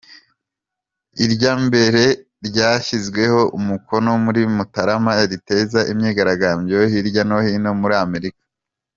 Irya mbere ryashyizweho umukono muri Mutarama riteza imyigaragambyo hirya no hino muri Amerika.